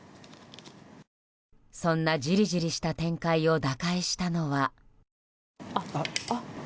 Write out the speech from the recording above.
そんなじりじりした展開を打開したのは。